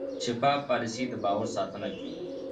شفاف پالیسي د باور ساتنه کوي.